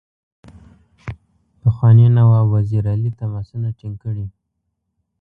پخواني نواب وزیر علي تماسونه ټینګ کړي.